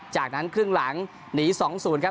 จากนั้นครึ่งหลังหนี๒๐ครับ